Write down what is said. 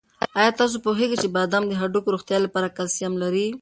آیا تاسو پوهېږئ چې بادام د هډوکو د روغتیا لپاره کلسیم لري؟